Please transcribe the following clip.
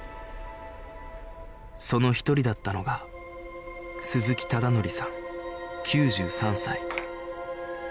その一人だったのが鈴木忠典さん９３歳